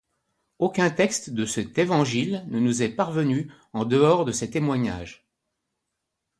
Aucun texte de cet évangile ne nous est parvenu en dehors de ces témoignages.